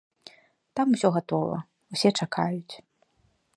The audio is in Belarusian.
Там усё гатова, усе чакаюць.